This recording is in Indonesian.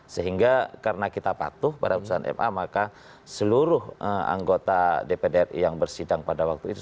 sehingga karena kita patuh pada putusan ma maka seluruh anggota dpr ri yang bersidang pada waktu itu